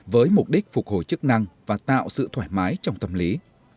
với mục đích phục hồi chức năng và tạo sự thoải mái trong tâm lý